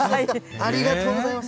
ありがとうございます。